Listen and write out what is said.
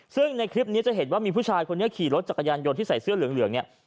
ซึ่งในคลิปนี้จะเห็นว่ามีผู้ชายคนนี้ขี่รถจักรยานยนต์ที่ใส่เสื้อเหลืองเนี่ย